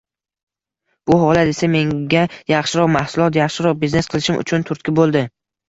Bu holat esa menga yaxshiroq mahsulot, yaxshiroq biznes qilishim uchun turtki boʻldi.